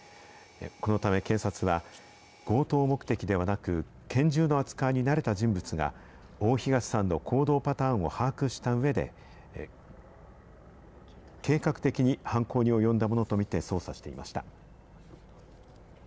このため警察は、強盗目的ではなく、拳銃の扱いに慣れた人物が、大東さんの行動パターンを把握したうえで、計画的に犯行に及んだものと見て、捜査していました。